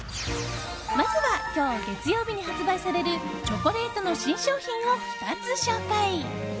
まずは今日、月曜日に発売されるチョコレートの新商品を２つ紹介。